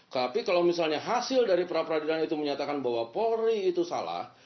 tapi kalau misalnya hasil dari pra peradilan itu menyatakan bahwa polri itu salah